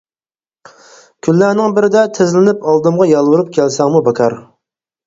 كۈنلەرنىڭ بىرىدە تىزلىنىپ ئالدىمغا يالۋۇرۇپ كەلسەڭمۇ بىكار!